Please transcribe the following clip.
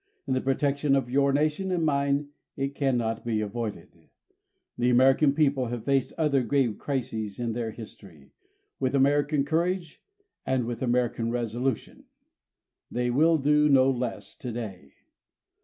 In the protection of your nation and mine it cannot be avoided. The American people have faced other grave crises in their history with American courage, and with American resolution. They will do no less today.